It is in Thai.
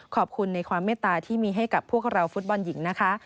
ขอบคุณในความเมตตาที่มีให้กับพวกเราฟุตบอลหญิงนะคะ